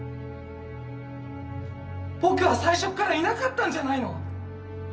僕は最初っからいなかったんじゃないの？